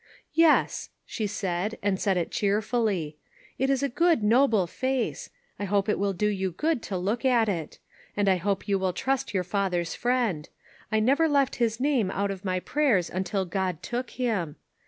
" Yes," she said, and said it cheerfully. " It is a good, noble face. I hope it will do you good to look at it. And I hope you will trust your father's friend. I never left his name out of my prayers until God took him.